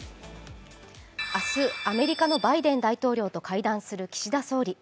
明日、アメリカのバイデン大統領と会談する岸田総理。